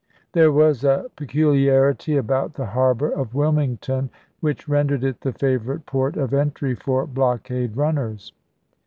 There was a peculiarity about the harbor of Wilmington which rendered it the favorite port of entry for blockade runners.